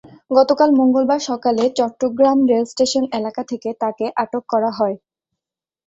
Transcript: গতকাল মঙ্গলবার সকালে চট্টগ্রাম রেলস্টেশন এলাকা থেকে তাঁকে আটক করা হয়।